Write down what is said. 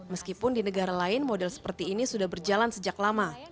meskipun di negara lain model seperti ini sudah berjalan sejak lama